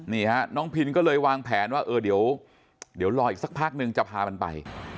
นี่ฮะน้องพินก็เลยวางแผนว่าเออเดี๋ยวรออีกสักพักนึงจะพามันไป